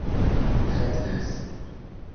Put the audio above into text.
traktas